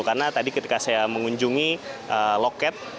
karena tadi ketika saya mengunjungi lokal